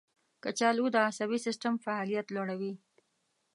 کچالو د عصبي سیستم فعالیت لوړوي.